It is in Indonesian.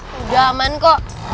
sudah aman kok